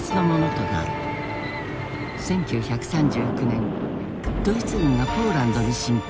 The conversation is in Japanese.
１９３９年ドイツ軍がポーランドに侵攻。